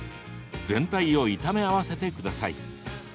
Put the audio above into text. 全体を炒め合わせてください。